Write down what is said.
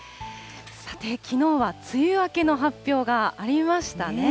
さて、きのうは梅雨明けの発表がありましたね。